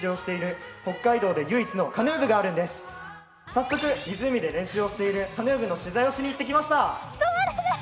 早速、湖で練習をしているカヌー部の取材にいってきました。